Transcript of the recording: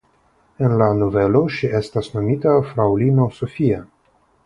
En la novelo ŝi estas nomita fraŭlino Sofia.